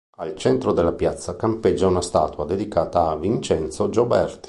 Al centro della piazza campeggia una statua dedicata a Vincenzo Gioberti.